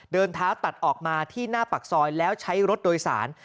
เดินเท้าตัดออกมาที่หน้าปากซอยแล้วใช้รถโดยสาร